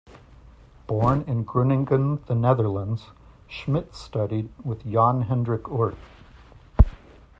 Born in Groningen, The Netherlands, Schmidt studied with Jan Hendrik Oort.